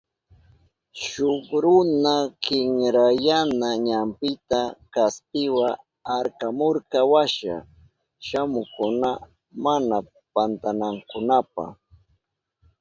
Shuk runa kinkrayana ñampita kaspiwa arkamurka washa shamuhukkuna mana pantanankunapa.